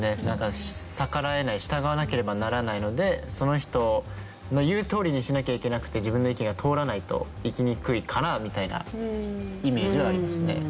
逆らえない従わなければならないのでその人の言うとおりにしなきゃいけなくて自分の意見が通らないと生きにくいかなみたいなイメージはありますね。